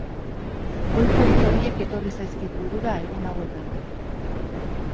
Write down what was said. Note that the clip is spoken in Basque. Goiko hitz horiek etorri zaizkit burura egun hauetan.